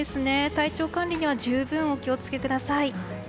体調管理には十分お気を付けください。